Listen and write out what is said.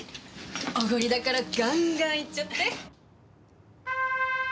おごりだからガンガンいっちゃって。